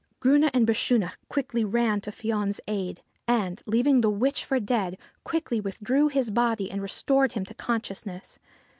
Grunne and Bechunach quickly ran to Fion's aid, and, leaving the witch for dead, quickly withdrew his body and restored him to consciousness.